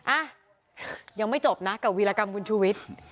อ่ะยังไม่จบนะกับวีรกรรมคุณชูวิทย์